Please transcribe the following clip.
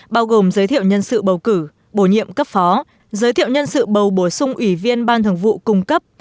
bao gồm giới thiệu nhân sự bầu cử bổ nhiệm cấp phó giới thiệu nhân sự bầu bổ sung ủy viên ban thường vụ cung cấp